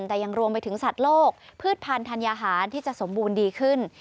แต่ยังรวมไปถึงสัตว์โลกพืชพันธัญญาหารที่จะสมบูรณ์ดีขึ้น